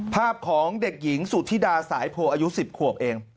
ภาพของเด็กหญิงสุธิดาสายโพอายุ๑๐ขวบเอง